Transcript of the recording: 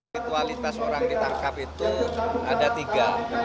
ritualitas orang ditangkap itu ada tiga